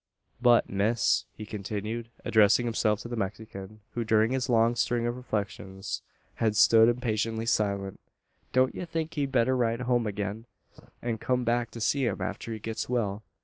"But, miss," he continued, addressing himself to the Mexican, who during his long string of reflections had stood impatiently silent, "don't ye think ye'd better ride home agin; an kum back to see him arter he gits well.